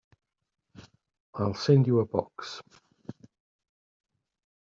I'll send you a box.